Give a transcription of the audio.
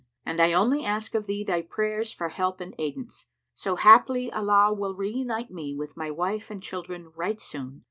and I only ask of thee thy prayers for help and aidance; so haply Allah will reunite me with my wife and children right soon."